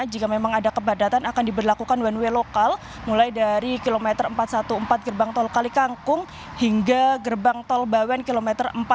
jika memang ada kepadatan akan diberlakukan one way lokal mulai dari kilometer empat ratus empat belas gerbang tol kalikangkung hingga gerbang tol bawen kilometer empat puluh